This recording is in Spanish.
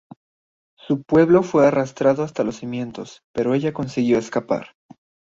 Su pueblo fue arrasado hasta los cimientos, pero ella consiguió escapar.